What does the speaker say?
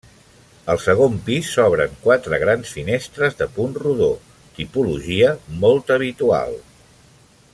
Al segon pis s'obren quatre grans finestres de punt rodó, tipologia molt habitual.